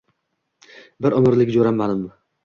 bir umrlik jo’ram manim